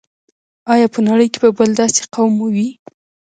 آیا په نړۍ کې به بل داسې قوم وي.